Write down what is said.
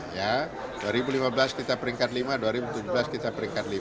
ya dua ribu lima belas kita peringkat lima dua ribu tujuh belas kita peringkat lima